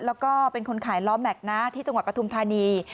แล้วก็เป็นคนขายล้อแม็กซ์นะที่จังหวัดปฐุมธานี